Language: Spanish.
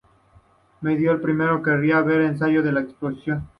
Me dijo que primero querría ver un ensayo de la explosión.